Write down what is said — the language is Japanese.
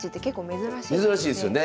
珍しいですよね。